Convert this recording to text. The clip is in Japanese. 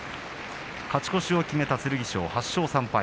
勝ち越しを決めた、剣翔８勝３敗。